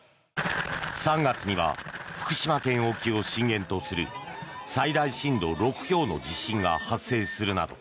３月には福島県沖を震源とする最大震度６強の地震が発生するなど